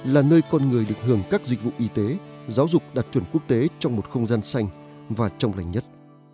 là nơi con người được hưởng các dịch vụ y tế giáo dục đạt chuẩn quốc tế trong một không gian xanh và trong lành nhất